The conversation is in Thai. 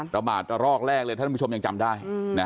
ระบาดระลอกแรกเลยท่านผู้ชมยังจำได้